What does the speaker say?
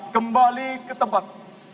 kembali ke tempat